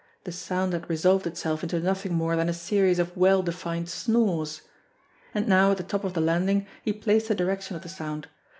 The sound had resolved itself into nothing more than a series of well defined snores! And now at the top of the landing, he placed the direction of the sound.